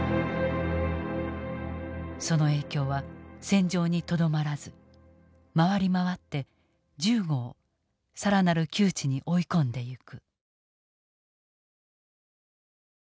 その影響は戦場にとどまらず回り回って銃後を更なる窮地に追い込んでいく。